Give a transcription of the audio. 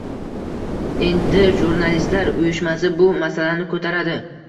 Endi Jurnalistlar uyushmasi bu masalani ko'taradi